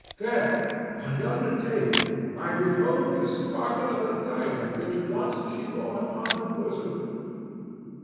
There, on yonder table, I behold the sparkle of a diamond which once she wore upon her bosom.